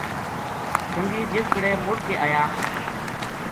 سنگی جس بِڑے مڑ کے آیا